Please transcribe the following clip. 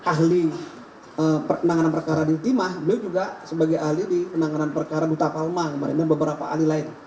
ahli penanganan perkara di timah beliau juga sebagai ahli di penanganan perkara duta palma kemarin dan beberapa ahli lain